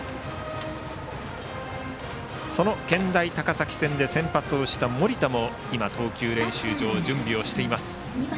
その健大高崎戦で先発をした盛田も投球練習場で準備をしています。